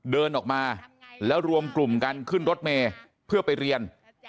เดินออกมาแล้วรวมกลุ่มกันขึ้นรถเมย์เพื่อไปเรียน